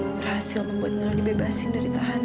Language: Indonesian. berhasil membuat nur dibebasin dari tahanan